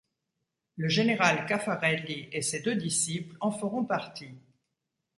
Le général Caffarelli et ses deux disciples en feront partie.